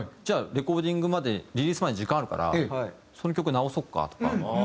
じゃあレコーディングまでリリースまで時間あるからその曲直そうかとか。